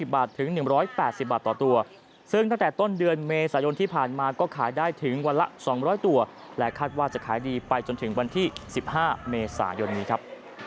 บาทถึง๑๘๐บาทต่อตัวซึ่งตั้งแต่ต้นเดือนเมษายนที่ผ่านมาก็ขายได้ถึงวันละ๒๐๐ตัวและคาดว่าจะขายดีไปจนถึงวันที่๑๕เมษายนนี้ครับ